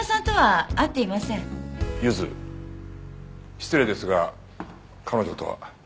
失礼ですが彼女とは？